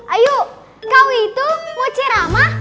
ayu kau itu mau ceramah